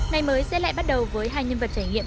ngày mới sẽ lại bắt đầu với hai nhân vật trải nghiệm